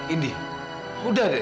indi udah deh